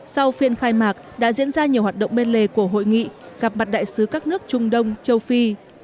sau phiên khai mạc đã diễn ra nhiều hoạt động bên lề của hội nghị gặp mặt đại sứ các nước trung đông châu phi